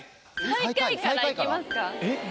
最下位からいきますか。